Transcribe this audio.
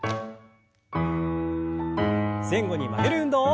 前後に曲げる運動。